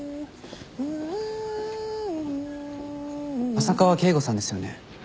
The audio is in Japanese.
浅川啓吾さんですよね？